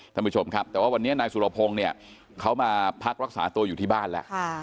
ท่านผู้ชมครับแต่ว่าวันนี้นายสุรพงศ์เนี่ยเขามาพักรักษาตัวอยู่ที่บ้านแล้ว